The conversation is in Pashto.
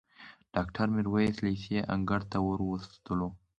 ډاکټر میرویس لېسې انګړ ته وروستلو.